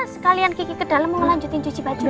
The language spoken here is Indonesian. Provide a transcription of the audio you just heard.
sekalian kiki ke dalam mau ngelanjutin cuci baju